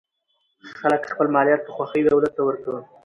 خلک خپل مالیات په خوښۍ دولت ته ورکوي.